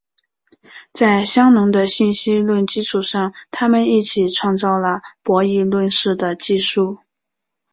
在香农的信息论基础上他们一起创造了博弈论似的技术。